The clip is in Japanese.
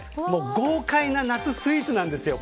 豪快な夏スイーツなんですよ